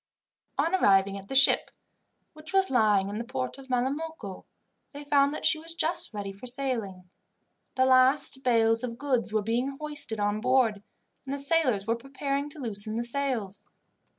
On arriving at the ship, which was lying in the port of Malamocco, they found that she was just ready for sailing. The last bales of goods were being hoisted on board, and the sailors were preparing to loosen the sails.